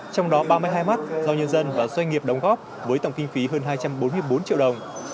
trong đó ba mươi hai mắt do nhân dân và doanh nghiệp đóng góp với tổng kinh phí hơn hai trăm bốn mươi bốn triệu đồng